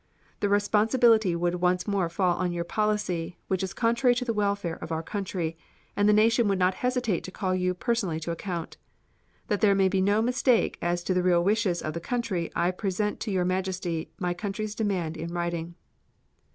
The responsibility would once more fall on your policy, which is contrary to the welfare of our country, and the nation would not hesitate to call you personally to account. That there may be no mistake as to the real wishes of the country I present to your Majesty my country's demand in writing."